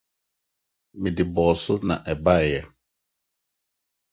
Mede bɔɔso na ɛbae.